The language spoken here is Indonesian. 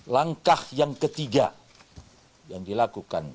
langkah yang ketiga yang dilakukan